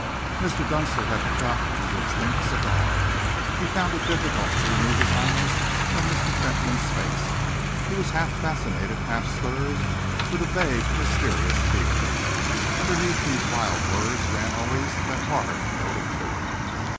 Mr. Dunster had forgotten his extinct cigar. He found it difficult to remove his eyes from Mr. Fentolin's face. He was half fascinated, half stirred with a vague, mysterious fear. Underneath these wild words ran always that hard note of truth.